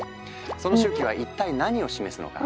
その周期は一体何を示すのか？